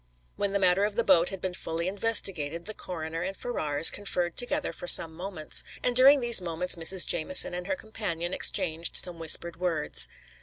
When the matter of the boat had been fully investigated, the coroner and Ferrars conferred together for some moments, and during these moments Mrs. Jamieson and her companion exchanged some whispered words.